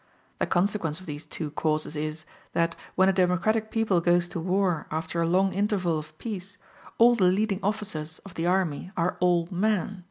The consequence of these two causes is, that when a democratic people goes to war after a long interval of peace all the leading officers of the army are old men.